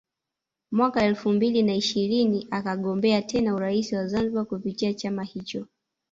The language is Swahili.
Mwaka elfu mbili na ishirini akagombea tena urais wa Zanzibari kupitia chama hicho